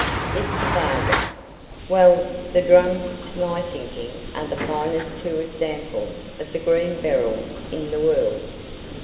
"It's a bargain. Well, the drums to my thinking are the finest two examples of the green beryl in the world.